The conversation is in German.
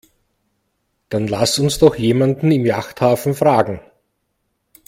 Dann lass uns doch jemanden im Yachthafen fragen.